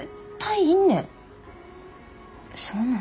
そうなん？